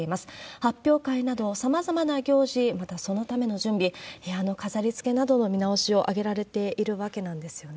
発表会など、さまざまな行事、またそのための準備、部屋の飾りつけなどの見直しを挙げられているわけなんですよね。